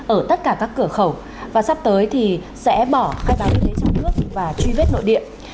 ở tất cả các cửa khẩu và sắp tới thì sẽ bỏ khai báo y tế trong nước và truy vết nội địa